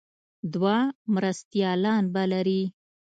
دوه مرستیالان به لري.